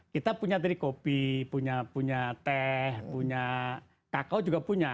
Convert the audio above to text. kita punya tadi kopi punya teh punya kakao juga punya